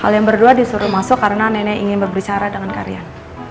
kalian berdua disuruh masuk karena nenek ingin berbicara dengan kalian